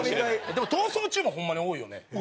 でも『逃走中』もホンマに多いよね。